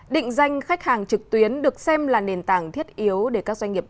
định danh khách hàng trực tuyến được xem là nền tảng thiết yếu để các doanh nghiệp